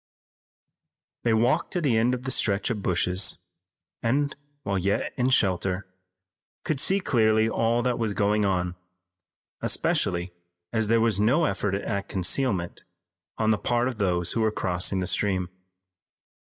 They walked to the end of the stretch of bushes, and, while yet in shelter, could see clearly all that was going on, especially as there was no effort at concealment on the part of those who were crossing the stream.